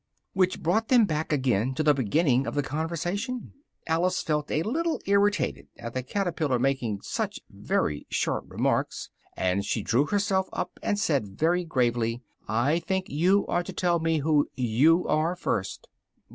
Which brought them back again to the beginning of the conversation: Alice felt a little irritated at the caterpillar making such very short remarks, and she drew herself up and said very gravely "I think you ought to tell me who you are, first."